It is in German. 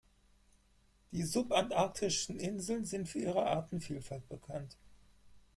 Die subantarktischen Inseln sind für ihre Artenvielfalt bekannt.